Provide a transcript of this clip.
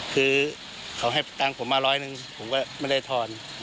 คือเขาให้ตังค์ผมมาร้อยหนึ่งผมก็ไม่ได้ทอน